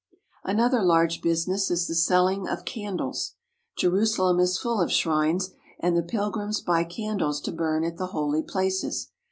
Another large business is the selling of candles. Je rusalem is full of shrines, and the pilgrims buy candles to burn at the holy places.